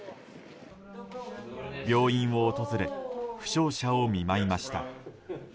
病院を訪れ負傷者を見舞いました。